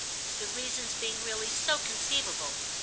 —the reasons being really so conceivable.